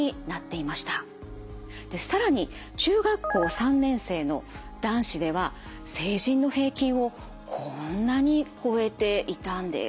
更に中学校３年生の男子では成人の平均をこんなに超えていたんです。